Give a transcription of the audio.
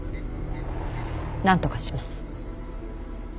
なんとかします。